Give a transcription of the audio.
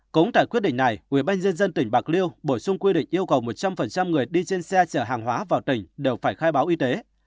cũng tại quyết định này ubnd tỉnh bạc liêu bổ sung quy định yêu cầu một trăm linh người đi trên xe chở hàng hóa vào tỉnh đều phải khai báo y tế